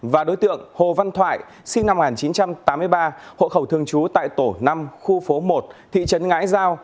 và đối tượng hồ văn thoại sinh năm một nghìn chín trăm tám mươi ba hộ khẩu thường trú tại tổ năm khu phố một thị trấn ngãi giao